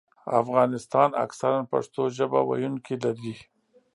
افغانستان اکثراً پښتو ژبه ویونکي لري.